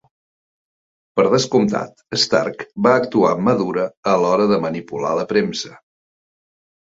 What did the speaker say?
Per descomptat, Stark va actuar amb mà dura a l'hora de manipular la premsa.